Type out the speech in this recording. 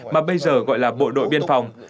mà bây giờ gọi là bộ đội biên phòng